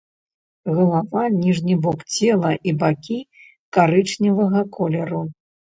Галава, ніжні бок цела і бакі карычневага колеру.